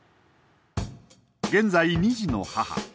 現在２児の母。